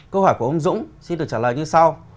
câu hỏi của ông dũng xin được trả lời như sau